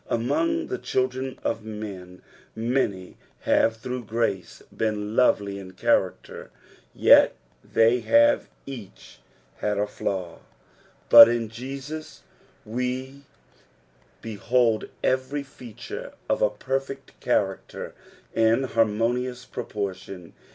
Among the children of men many have through grace been lovely in character, yet they have each had a flaw ; but in Jesus we behold every feature of a perfect character in harmonious proportion.